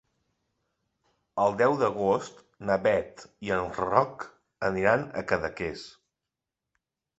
El deu d'agost na Beth i en Roc aniran a Cadaqués.